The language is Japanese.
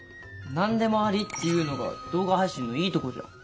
何でもありっていうのが動画配信のいいとこじゃん。